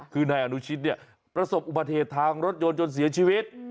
คือในอนุชิตเนี่ยประสบอุปเทศทางรถยนต์จนเสียชีวิต